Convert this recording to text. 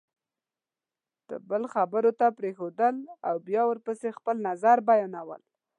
تل بل خبرو ته پرېښودل او بیا ورپسې خپل نظر بیانول